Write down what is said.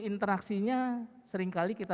interaksinya seringkali kita